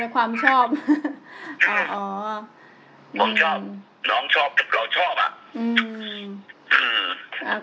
ความชอบค่ะอ๋อผมชอบน้องชอบเราชอบอ่ะอืม